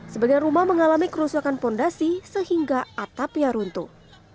sebagian rumah mengalami kerusakan fondasi sehingga atapnya runtuh